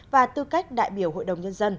và tư cách đại biểu hội đồng nhân dân